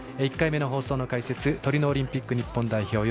１回目の放送の解説トリノオリンピック日本代表